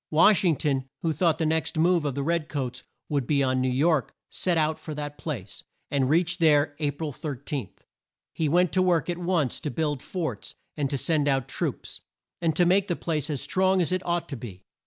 Wash ing ton, who thought the next move of the red coats would be on New York, set out for that place, and reached there A pril 13. He went to work at once to build forts, and to send out troops, and to make the place as strong as it ought to be.